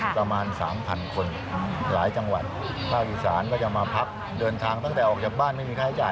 ประมาณสามพันคนหลายจังหวัดภาคอีสานก็จะมาพักเดินทางตั้งแต่ออกจากบ้านไม่มีค่าใช้จ่าย